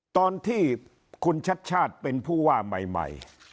ตอนที่คุณชัดชาติเป็นผู้ว่าใหม่